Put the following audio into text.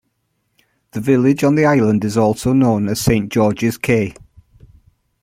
The village on the island is also known as Saint George's Caye.